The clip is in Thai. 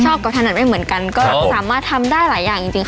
กับถนัดไม่เหมือนกันก็สามารถทำได้หลายอย่างจริงค่ะ